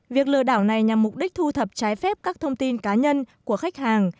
việc lừa đảo này nhằm mục đích thu thập trái phép các thông tin cá nhân của khách hàng